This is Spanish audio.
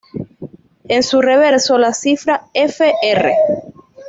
En su reverso, la cifra ""F. R."".